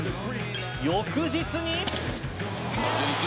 翌日に。